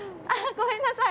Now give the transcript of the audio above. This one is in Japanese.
ごめんなさい。